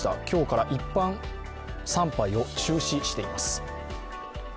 今日から一般参拝を中止しています。